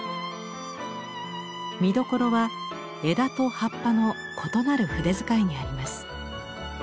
見どころは枝と葉っぱの異なる筆遣いにあります。